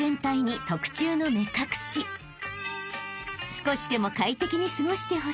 ［少しでも快適に過ごしてほしい］